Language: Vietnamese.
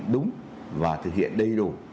đúng và thực hiện đầy đủ